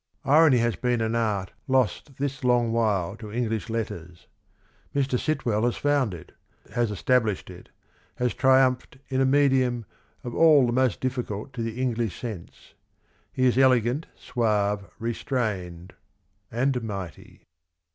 " Irony has been an art lost this long while to English letters. Mr. Sitwell has found it, has established it, has triumphed in a medium of all the most difficult to the English sense. ... He is elegant, suave, restrained — and mighty.